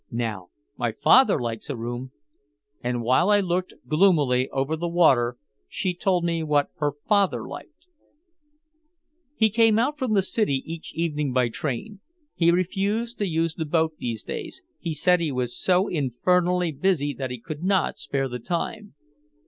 Now my father likes a room " And while I looked gloomily over the water she told me what her father liked. He came out from the city each evening by train. He refused to use the boat these days, he said he was so infernally busy that he could not spare the time.